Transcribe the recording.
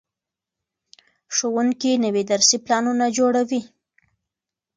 ښوونکي نوي درسي پلانونه جوړوي.